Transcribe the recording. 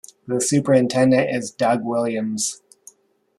The Superintendent is Doug Williams.